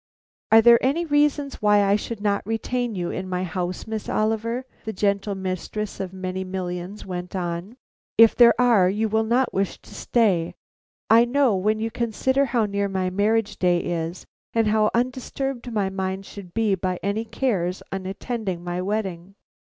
"Are there any reasons why I should not retain you in my house, Miss Oliver?" the gentle mistress of many millions went on. "If there are, you will not wish to stay, I know, when you consider how near my marriage day is, and how undisturbed my mind should be by any cares unattending my wedding."